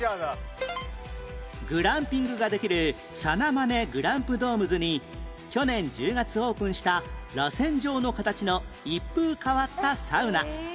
グランピングができる ＳＡＮＡＭＡＮＥＧＬＡＭＰＤＯＭＥＳ に去年１０月オープンしたらせん状の形の一風変わったサウナ